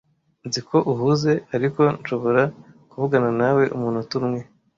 Nzi ko uhuze, ariko nshobora kuvugana nawe umunota umwe?